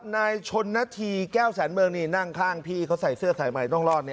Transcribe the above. นายชนนาธีแก้วแสนเมืองนี่นั่งข้างพี่เขาใส่เสื้อสายใหม่ต้องรอด